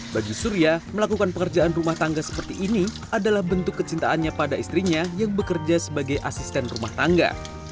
bagi surya melakukan pekerjaan rumah tangga seperti ini adalah bentuk kecintaannya pada istrinya yang bekerja sebagai asisten rumah tangga